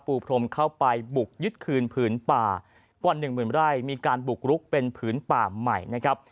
พรมเข้าไปบุกยึดคืนผืนป่ากว่าหนึ่งหมื่นไร่มีการบุกรุกเป็นผืนป่าใหม่นะครับ